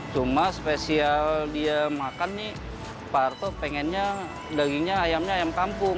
cuma spesial dia makan nih pak harto pengennya dagingnya ayamnya ayam kampung